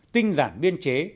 tinh giảm biên chế